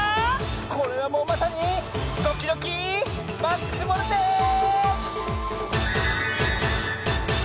これはもうまさにドキドキマックスボルテージ！